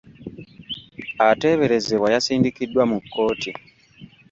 Ateeberezebwa yasindikiddwa mu kkooti.